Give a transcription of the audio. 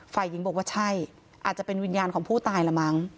ฝ่ายหญิงบอกว่าใช่อาจจะเป็นวิญญาณของผู้ตายละมั้ง